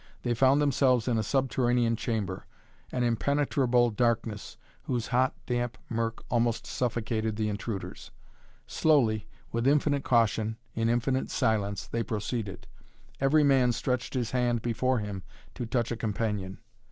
They found themselves in a subterranean chamber, in impenetrable darkness, whose hot, damp murk almost suffocated the intruders. Slowly, with infinite caution, in infinite silence, they proceeded. Every man stretched his hand before him to touch a companion.